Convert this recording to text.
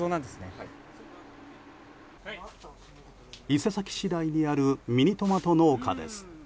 伊勢崎市内にあるミニトマト農家です。